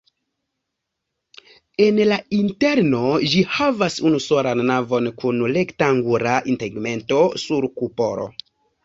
En la interno ĝi havas unusolan navon kun rektangula tegmento sur kupolo.